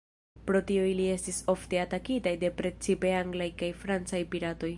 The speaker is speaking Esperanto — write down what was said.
Pro tio ili estis ofte atakitaj de precipe anglaj kaj francaj piratoj.